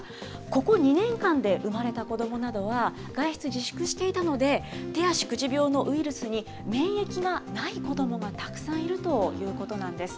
ここ２年間で産まれた子どもなどは、外出自粛していたので、手足口病のウイルスに免疫がない子どもがたくさんいるということなんです。